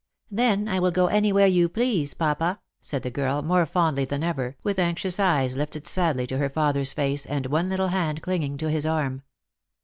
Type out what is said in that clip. " Then I will go anywhere you please, papa," said the girl, more fondly than ever, with anxious eyes lifted sadly to her father's face and one little hand clinging to his arm.